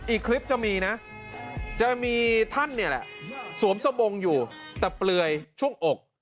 อีกคลิปจะมีนะจะมีท่านเนี่ยแหละสวมสบงอยู่แต่เปลือยช่วงอก